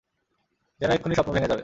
যেন এক্ষুণি স্বপ্ন ভেঙে যাবে।